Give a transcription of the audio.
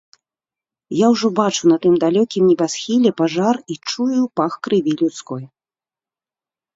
Я ўжо бачу на тым далёкім небасхіле пажар і чую пах крыві людской.